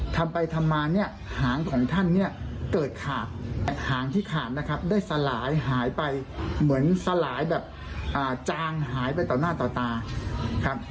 ทำไปทำมาเนี่ยหางของท่านเนี่ยเกิดขาดหางที่ขาดนะครับได้สลายหายไปเหมือนสลายแบบจางหายไปต่อหน้าต่อตาครับ